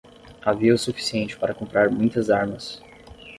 Havia o suficiente para comprar muitas armas.